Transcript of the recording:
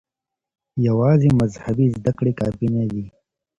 يوازې مذهبي زده کړې کافي نه دي.